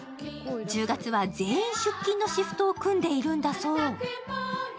１０月は全員出勤のシフトを組んでいるんだそう。